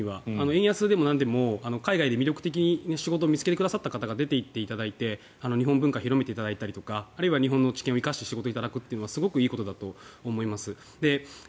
円安でもなんでも海外で魅力的な仕事を見つけてくださった方が出ていっていただいて日本文化を広めていただいたりとか日本の知見を生かして仕事をしていただくというのはすごくいいことだと思います。